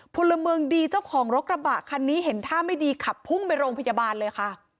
พลเมืองดีเจ้าของรถกระบะคันนี้เห็นท่าไม่ดีขับพุ่งไปโรงพยาบาลเลยค่ะ